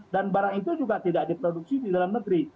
dan barang itu juga tidak diproduksi di dalam negeri